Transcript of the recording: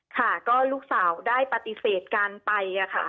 ค่ะก็ลูกสาวได้ปฏิเสธการไปค่ะ